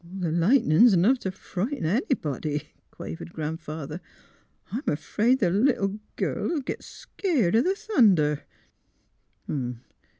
'' Th' lightnin' 's 'nough t' fright' anybody,'* quavered Grandfather. ''I'm 'fraid the little girl'll git skeered o' th' thunder."